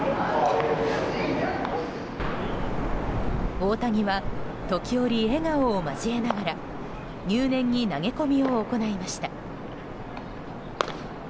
大谷は時折、笑顔を交えながら入念に投げ込みを行いました。